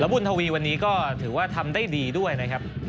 บุญทวีวันนี้ก็ถือว่าทำได้ดีด้วยนะครับ